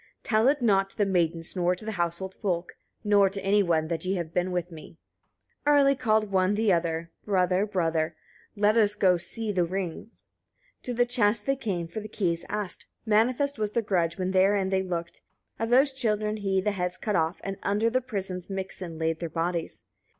21. Tell it not to the maidens, nor to the household folk, nor to any one, that ye have been with me." Early called one the other, brother, brother: "Let us go see the rings." 22. To the chest they came, for the keys asked; manifest was their grudge, when therein they looked. Of those children he the heads cut off, and under the prison's mixen laid their bodies.